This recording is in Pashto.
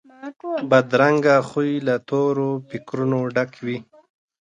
بدرنګه خوی له تورو فکرونو ډک وي